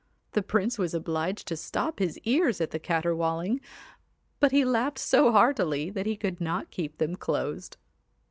The Prince was obliged to stop his ears at the caterwauling, but he laughed so heartily that he could not keep them closed.